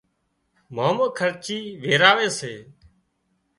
مامو خرچي ويراوي سي